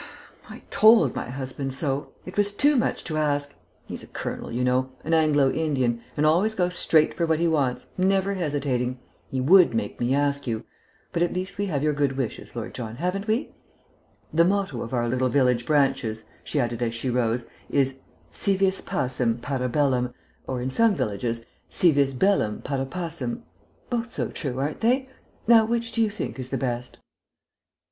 "I told my husband so. It was too much to ask. He's a colonel, you know an Anglo Indian and always goes straight for what he wants, never hesitating. He would make me ask you; ... but at least we have your good wishes, Lord John, haven't we?" "Indeed, yes." "The motto of our little village branches," she added as she rose, "is Si vis pacem, para bellum. Or, in some villages, Si vis bellum, para pacem. Both so true, aren't they? Now which do you think is the best?"